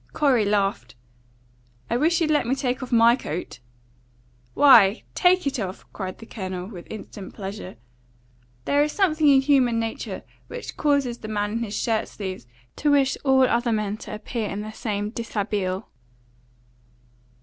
Corey laughed. "I wish you'd let me take off MY coat." "Why, TAKE it off!" cried the Colonel, with instant pleasure. There is something in human nature which causes the man in his shirt sleeves to wish all other men to appear in the same deshabille.